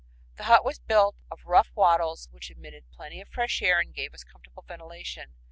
The hut was built of rough wattles which admitted plenty of fresh air and gave us comfortable ventilation.